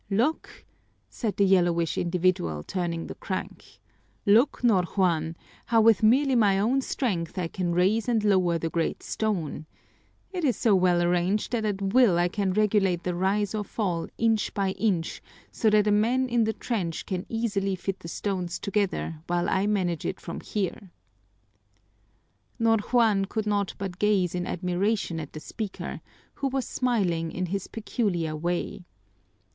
"Look," said the yellowish individual, turning the crank, "look, Ñor Juan, how with merely my own strength I can raise and lower the great stone. It's so well arranged that at will I can regulate the rise or fall inch by inch, so that a man in the trench can easily fit the stones together while I manage it from here." Ñor Juan could not but gaze in admiration at the speaker, who was smiling in his peculiar way.